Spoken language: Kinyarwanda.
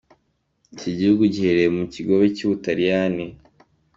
Iki gihugu giherereye mu kigobe cy’ubutaliyani.